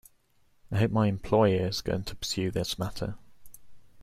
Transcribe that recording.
I hope my employer is going to pursue this matter.